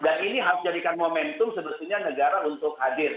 dan ini harus menjadikan momentum sebetulnya negara untuk hadir